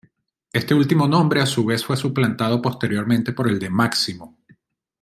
Este último nombre a su vez fue suplantado posteriormente por el de Máximo.